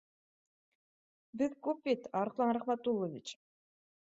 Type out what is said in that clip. — Беҙ күп бит, Арыҫлан Рәхмәтуллович